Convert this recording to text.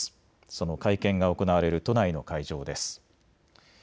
その会見が行われる都内の会場です。